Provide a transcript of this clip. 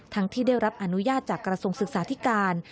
ทั้งที่ได้รับอนุญาตจากกระทรงศึกษาที่การ